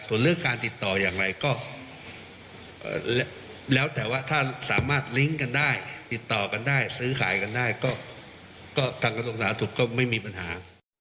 ส่วนเรื่องการติดต่ออย่างไรก็แล้วแต่ว่าถ้าสามารถลิงก์กันได้ติดต่อกันได้ซื้อขายกันได้ก็ทางกระทรวงสาธารณสุขก็ไม่มีปัญหา